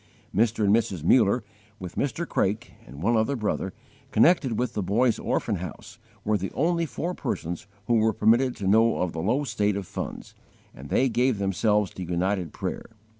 Mr. and Mrs. Muller, with Mr. Craik and one other brother, connected with the Boys' Orphan House, were the only four persons who were permitted to know of the low state of funds; and they gave themselves to united prayer.